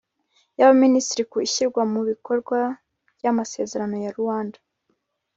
y'abaminisitiri ku ishyirwa mu bikorwa ry'amasezerano ya luanda